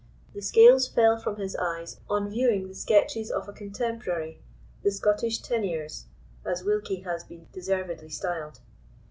The scales fell from his eyes on viewing the sketches of a contemporary, the Scottish Teniers, as Wilkie has been deservedly styled.